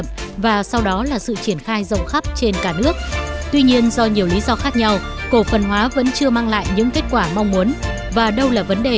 các bạn hãy đăng ký kênh để ủng hộ kênh của chúng mình nhé